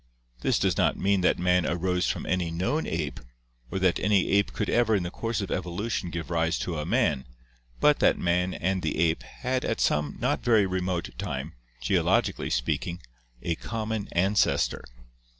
This does not mean that man arose from any known ape, or that any ape could ever in the course of evolution give rise to a man, but that man and the ape had at some not very remote time, geologically speaking, a common ancestor.